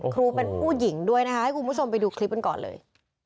ครูเป็นผู้หญิงด้วยนะคะให้คุณผู้ชมไปดูคลิปกันก่อนเลย